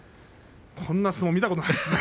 こんな相撲、見たことないですね。